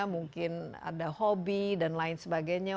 mungkin ada hobi dan lain sebagainya